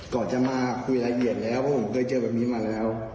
ก่อนจะมาคุยละเอียดแล้วพวกผมเคยเจอกันแบบนี้มาแล้ว